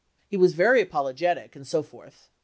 He was very apologetic and so forth.